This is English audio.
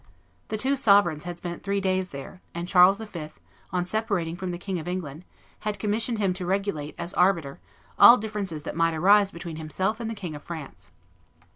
The two sovereigns had spent three days there, and Charles V., on separating from the King of England, had commissioned him to regulate, as arbiter, all difficulties that might arise between himself and the King of France.